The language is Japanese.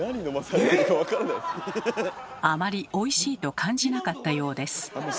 あまりおいしいと感じなかったようです。